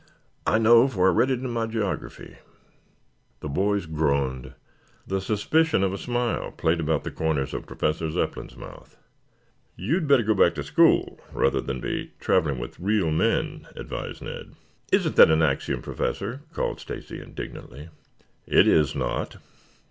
I know, for I read it in my geography." The boys groaned. The suspicion of a smile played about the corners of Professor Zepplin's mouth. "You had better go back to school rather than be traveling with real men," advised Ned. "Isn't that an axiom, Professor?" called Stacy indignantly. "It is not."